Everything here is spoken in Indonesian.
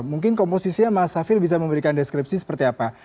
mungkin komposisinya mas hafir bisa memberikan deskripsi seperti apa